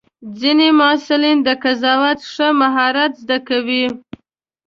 ځینې محصلین د قضاوت ښه مهارت زده کوي.